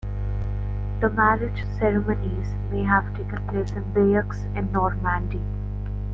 The marriage ceremonies may have taken place in Bayeux in Normandy.